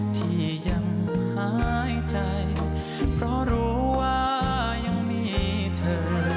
ที่ยังหายใจเพราะรู้ว่ายังมีเธอ